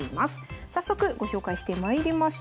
早速ご紹介してまいりましょう。